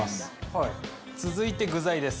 続いて具材です。